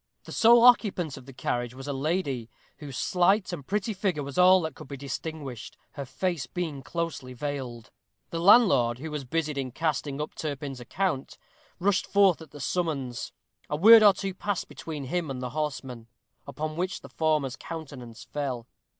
The sole occupant of the carriage was a lady, whose slight and pretty figure was all that could be distinguished, her face being closely veiled. The landlord, who was busied in casting up Turpin's account, rushed forth at the summons. A word or two passed between him and the horsemen, upon which the former's countenance fell.